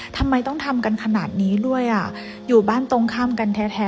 ทำไมต้องทำกันขนาดนี้ด้วยอ่ะอยู่บ้านตรงข้ามกันแท้